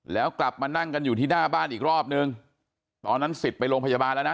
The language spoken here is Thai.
แล้วกลับมานั่งกันอยู่ที่หน้าบ้านอีกรอบนึงตอนนั้นสิทธิ์ไปโรงพยาบาลแล้วนะ